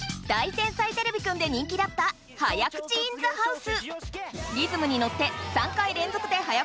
天才てれびくん」で人気だった「早口インザハウス」！